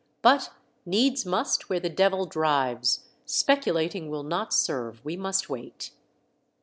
But needs must where the Devil drives ; speculating will not serve ; we must wait."